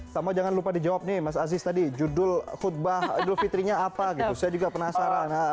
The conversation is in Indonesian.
sama jangan lupa dijawab nih mas aziz tadi judul khutbah idul fitrinya apa gitu saya juga penasaran